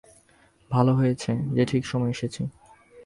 ভালো হয়েছে যে ঠিক সময়ে এসেছি।